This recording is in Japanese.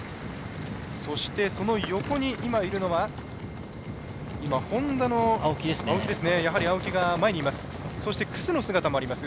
そして、その横にいるのはＨｏｎｄａの青木が前にいます。